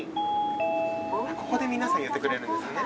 ここで皆さん言ってくれるんですね。